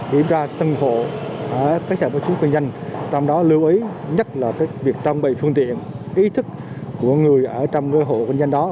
điểm ra tầng hộ ở các hộ chữa cháy nổ nằm trong đó lưu ý nhất là việc trang bày phương tiện ý thức của người ở trong hộ cháy nổ nằm đó